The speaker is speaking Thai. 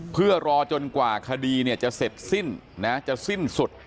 เพื่อรอจนกว่าคดีจะเสร็จสิ้นจะสิ้นสุด